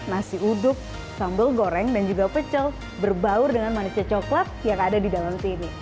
nasi uduk sambal goreng dan juga pecel berbaur dengan manisnya coklat yang ada di dalam sini